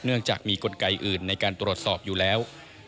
จากมีกลไกอื่นในการตรวจสอบอยู่แล้ว